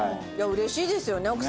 うれしいですよね